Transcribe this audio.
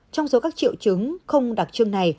trong số các triệu chứng không đặc trưng này